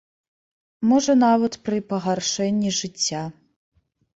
Можа, нават пры пагаршэнні жыцця.